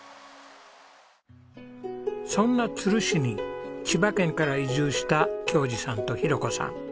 そんな都留市に千葉県から移住した恭嗣さんと浩子さん。